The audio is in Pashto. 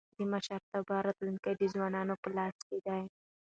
د مشرتابه راتلونکی د ځوانانو په لاس کي دی.